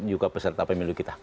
juga peserta pemilu kita